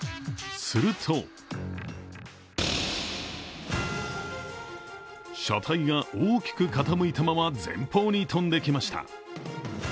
すると、車体が大きく傾いたまま前方に飛んできました。